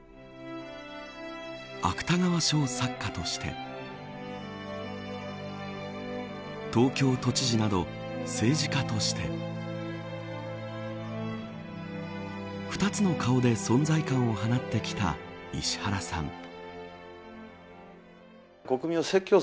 芥川賞作家として東京都知事など、政治家として２つの顔で存在感を放ってきた石原さん。